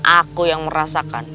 aku yang merasakan